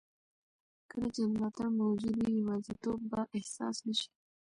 کله چې ملاتړ موجود وي، یوازیتوب به احساس نه شي.